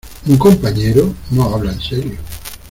¿ Un compañero? No habla en serio.